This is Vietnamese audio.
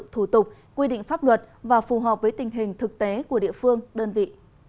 thủ tục quy định pháp luật và phù hợp với tình hình thực tế của địa phương đơn vị